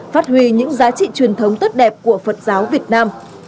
phát huy những giá trị truyền thống tốt đẹp của phật giáo việt nam